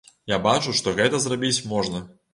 Я бачу, што гэта зрабіць можна.